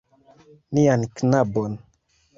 Nian knabon.